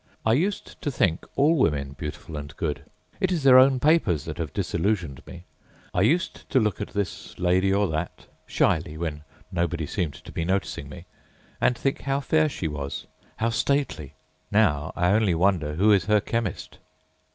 I used to think all women beautiful and good. It is their own papers that have disillusioned me. I used to look at this lady or at thatâshyly, when nobody seemed to be noticing meâand think how fair she was, how stately. Now I only wonder who is her chemist.